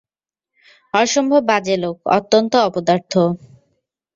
অসম্ভব বাজে লোক, অত্যন্ত অপদার্থ।